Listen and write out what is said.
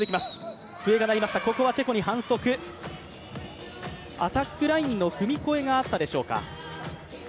ここはチェコに反則、アタックラインの踏み越えがあったでしょうか。